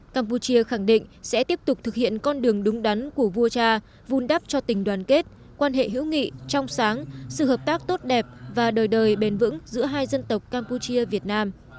tổng bí thư chủ tịch nước khẳng định sẽ tiếp tục thực hiện con đường đúng đắn của vua cha vun đắp cho tình đoàn kết quan hệ hữu nghị trong sáng sự hợp tác tốt đẹp và đời đời bền vững giữa hai dân tộc campuchia việt nam